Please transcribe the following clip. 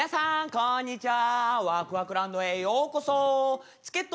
こんにちは。